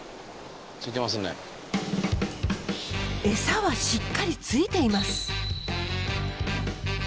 エサはしっかりついています。